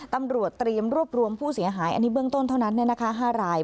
ตำรวจเตรียมรวบรวมผู้เสียหายอันนี้เบื้องต้นเท่านั้น๕ราย